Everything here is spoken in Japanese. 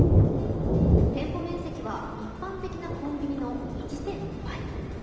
店舗面積は一般的なコンビニの１．５倍。